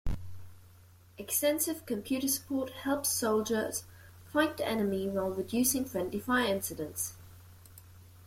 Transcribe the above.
Extensive computer support helps soldiers fight the enemy while reducing friendly fire incidents.